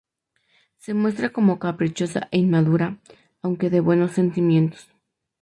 Se muestra como caprichosa e inmadura, aunque de buenos sentimientos.